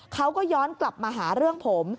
เขาก็ย้อนกลับมาหาเรื่องผม